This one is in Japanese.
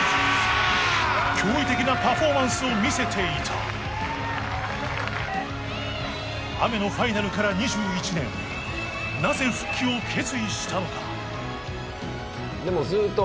驚異的なパフォーマンスを見せていた雨のファイナルから２１年なぜ復帰を決意したのか？